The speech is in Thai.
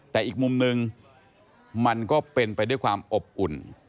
แต่อีกมุมนึงมันก็เป็นไปด้วยความอบอุ่น